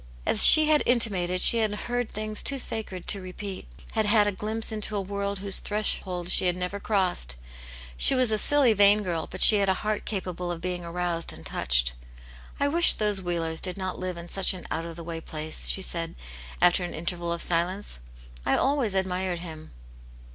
As she had intimated, she had heard things too sacred to repeat, had had a glimpse into a world whose threshold she had never crossed. She was a silly, vain girl, but she had a heart capable of being aroused and touched. ''I wish those Wheelers did not live in such an out of the way place," she said, after an interval of silence. I always admired him."